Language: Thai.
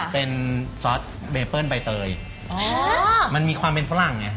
เป็นซอสเบเปิ้ลใบเตยอ๋อมันมีความเป็นฝรั่งไง